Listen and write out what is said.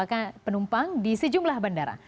peningkatan jumlah penumpang di sejumlah bandara